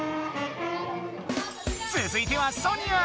つづいてはソニア！